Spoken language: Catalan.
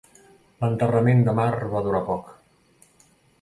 L'enterrament de mar va durar poc.